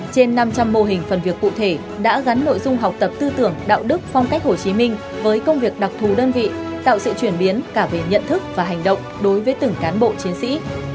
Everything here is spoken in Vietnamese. trên năm trăm linh mô hình phần việc cụ thể đã gắn nội dung học tập tư tưởng đạo đức phong cách hồ chí minh với công việc đặc thù đơn vị tạo sự chuyển biến cả về nhận thức và hành động đối với từng cán bộ chiến sĩ